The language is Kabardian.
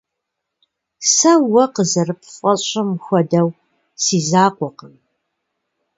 Сэ, уэ къызэрыпфӀэщӀым хуэдэу, си закъуэкъым.